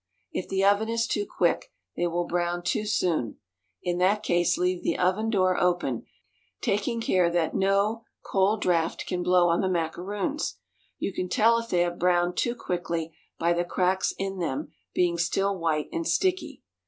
If the oven is too quick they will brown too soon; in that case leave the oven door open, taking care that no cold draught can blow on the macaroons. You can tell if they have browned too quickly by the cracks in them being still white and sticky.